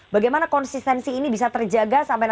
bagaimana konsistensi ini bisa terjaga sampai nanti